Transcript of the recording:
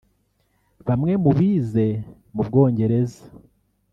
Bamwe mu bize mu Bwongereza